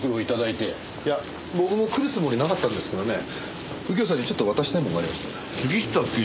いや僕も来るつもりなかったんですけどね右京さんにちょっと渡したいものがありまして。